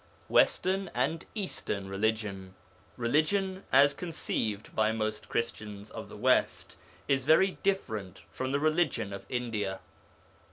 WESTERN AND EASTERN RELIGION Religion, as conceived by most Christians of the West, is very different from the religion of India.